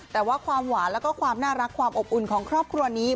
แต่ว่าความหวานแล้วก็ความน่ารักความอบอุ่นของครอบครัวนี้